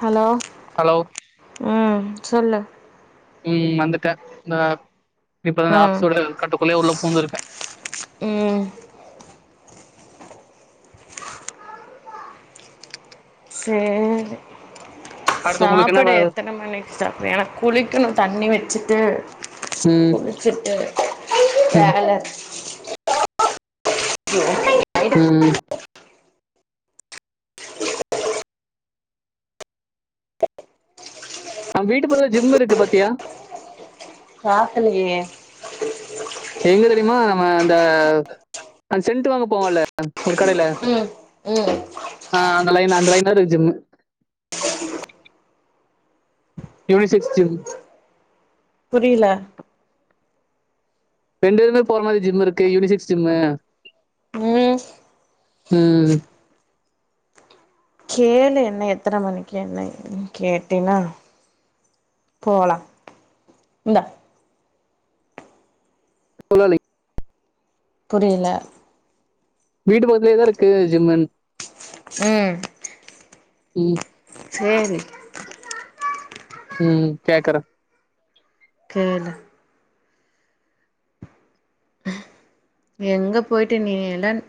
Hello hello ம் சொல்லு ம் வந்துட்ட இந்த இப்பதா ம் ஆபிஸோட கட்டுக்குள்ளயே உள்ள பூந்திருக்கே ம் சரி அடுத்து உங்களுக்கு என்ன சாப்பிட வேல எத்தன மணிக் சரியான குளிக்கணு தண்ணி வச்சுட்டு ம் குளிச்சிட்டு ம் வேல [inaudible] ம் நம் வீட்டு பக்கத்துல ஜிம் இருக்கு பாத்தியா பாக்கலையே எங்க தெரியுமா நம்ம அந்த சென்ட்டு வாங்க போவோல ஒரு கடைல ம் ம் ஆ அந்த லைன் அந்த லைன் தா இருக்கு ஜிம்மு யூனிசிக்ஸ் ஜிம் புரியல ரெண்டு பேருமே போற மாதிரி ஜிம் இருக்கு யூனிசிக்ஸ் ஜிம்மு ம் ம் கேளு என்ன எத்தன மணிக்கு என்ன ஏதுனு கேட்டீனா போலா இந்தா சொல்லலை, புரியல வீட்டு பக்கத்திலேயே தா இருக்கு ஜிம்மு ம் ம் சேரி ம் கேக்கிறே கேளு எங்க போயிட்டு நீ எல்லான்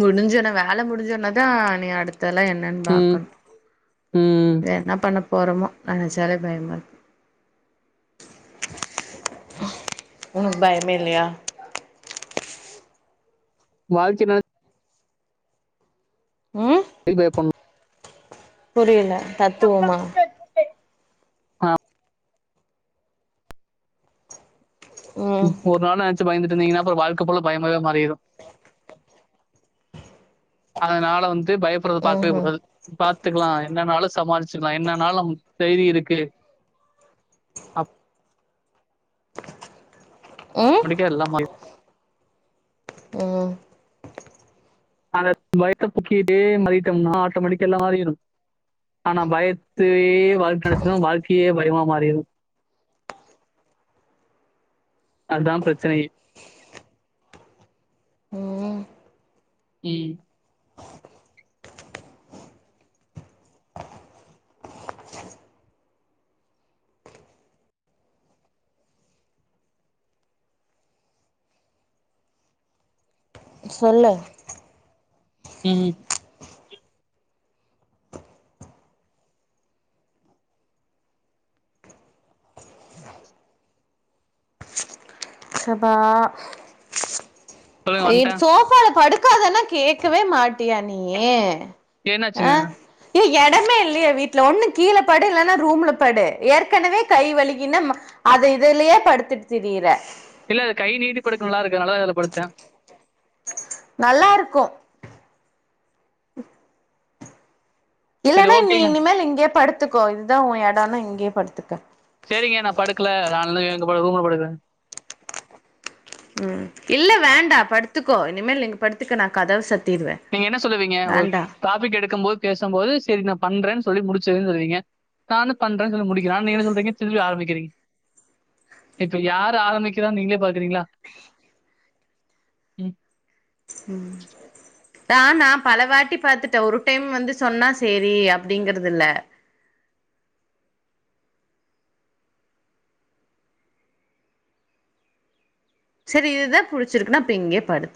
முடிஞ்சோன வேல முடிஞ்சோன தா நீ அடுத்தெல்லா என் னனு ம் பாக்கனு ம் என்ன பண்ணப் போறமோ நெனைச்சாலே பயமா இருக்கு உனக்கு பயமே இல்லையா வாழ்க்கைய நெனச் ம் வேப்பன் புரியல தத்துவமா ஆ ம் ஒரு நாள் நெனச்சு பயந்துட்டு இருந்தீங்கன்னா அது வாழ்க்கை ஃபுல்லா பயமாவே மாறிரு அதனால வந்து பயப்பறத பாக்கவே ம்ஹும் கூடாது பாத்துக்கலா என்னன்னாளு சமாளிச்சுக்கலா என்னன்னாலு நம்மளுக்கு தைரிய இருக்கு ம் அப்படிக்கே எல்லா மாறிரு ம் அந்த பயத்த புக்கிட்டே மதிட்டோம்னா ஆட்டோமேட்டிக்கா எல்லா ஆறிரு ஆனா பயத்துவே வாழ்க்கை [unintelligible] வாழ்க்கையே பயமா மாறிரு அதா பிரச்சனையே. ம் ம் சொல்லு. ம் ஸ் சப்பா [inaudible] சோ. சொல்லுங்க வந்துட்டேன். சோப்பால படுக்காதன்னா கேக்கவே மாட்டியா நீயு அ என்னாச்சுங்க? ஏ எடமே இல்லையா வீட்டுல ஒண்ணு கீழ படு இல்லனா ரூம்ல படு ஏற்கனவே கை வழுக்கின்ன. அது இதுலயே படுத்துட் திரியிற இல்ல அது கை நீட்டி படுக்க நல்லாருக்கு அதனால தா இதுல படுத்துட்டா நல்லா இருக்கு சரி இல்லனா நீ ஓகேங்க. இனிமேல் இங்கயே படுத்துக்கோ இதுதா உ எடோன்னா இங்கயே படுத்துக்க சேரிங்க நா படுக்கல [unintelligible] எங்க படுக்கணுமோ படுக்கற ம் இல்ல வேண்டா படுத்துக்கோ இனிமேல் இங்க படுத்துக்க நா கதவு சாத்திருவ நீங்க என்ன சொல்லுவீங்க ஒரு டாபிக் எடுக்கு போது பேசும்போது செரி நா பண்றன் சொல்லி முடிச்சிருவனு சொல்லுவீங்க நானு பண்றன் சொல்லி முடிக்கற அனா நீங்க சொல்றீங்க திரும்பி ஆரம்பிக்கறீங்க இப்ப யாரு ஆரம்பிக்கிறா நீங்களே பாக்குறீங்களா ம் சார் நா பல வாட்டி பாத்துட்ட ஒரு டைம் வந்து சொன்னா சேரி அப்டிங்கறதுல்ல செரி இதுதா புடிச்சிருக்குன்னா இப்ப இங்கயே படுத்